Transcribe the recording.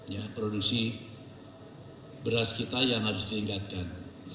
ya produksi beras kita yang harus diingatkan